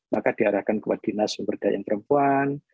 maka diarahkan kepada dinas pemberdayaan perempuan